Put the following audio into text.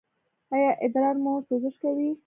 ایا ادرار مو سوزش کوي؟